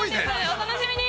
お楽しみに」